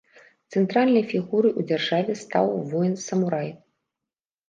Цэнтральнай фігурай ў дзяржаве стаў воін-самурай.